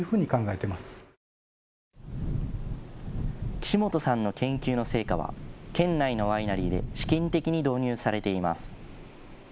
岸本さんの研究の成果は県内のワイナリーで試験的に導入されています。